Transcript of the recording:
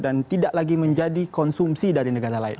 dan tidak lagi menjadi konsumsi dari negara lain